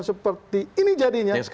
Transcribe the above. seperti ini jadinya